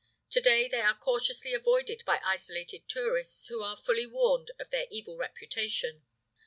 To day they are cautiously avoided by isolated tourists, who are fully warned of their evil reputation.